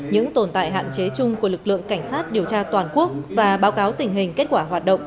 những tồn tại hạn chế chung của lực lượng cảnh sát điều tra toàn quốc và báo cáo tình hình kết quả hoạt động